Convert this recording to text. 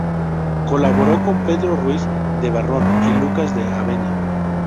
Colaboró con Pedro Ruiz de Barrón y Lucas de Avena.